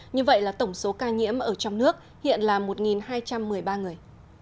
như vậy là tổng số ca nhiễm ở trong nước hiện là một hai trăm một mươi ba người